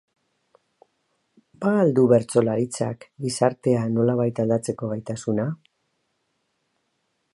Ba al du bertsolaritzak gizartea nolabait aldatzeko gaitasuna?